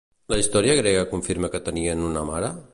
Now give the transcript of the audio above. La història grega confirma que tenien una mare?